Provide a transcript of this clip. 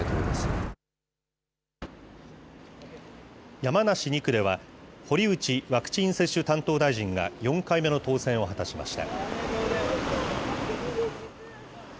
山梨２区では、堀内ワクチン接種担当大臣が、４回目の当選を果たしました。